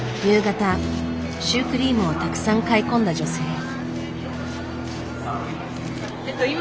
夕方シュークリームをたくさん買い込んだ女性。